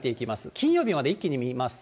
金曜日まで一気に見ます。